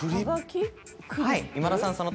はい今田さん